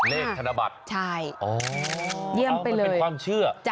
เลขธนบัตรอ๋อเยี่ยมไปเลยมันเป็นความเชื่อ